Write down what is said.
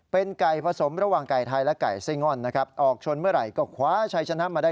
เป็นไก่ผสมระหว่างไก่ไทยและไก่ไส้ง่อนนะครับ